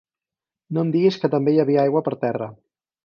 No em diguis que també hi havia aigua per terra.